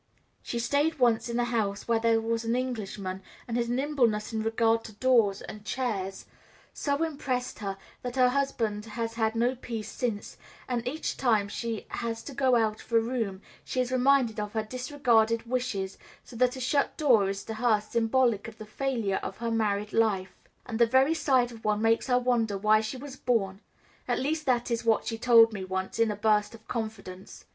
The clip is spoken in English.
She stayed once in a house where there was an Englishman, and his nimbleness in regard to doors and chairs so impressed her that her husband has had no peace since, and each time she has to go out of a room she is reminded of her disregarded wishes, so that a shut door is to her symbolic of the failure of her married life, and the very sight of one makes her wonder why she was born; at least, that is what she told me once, in a burst of confidence.